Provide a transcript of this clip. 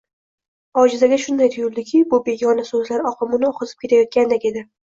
Ojizagaga shunday tuyuldiki, bu begona so`zlar oqimi uni oqizib ketayotgandek edi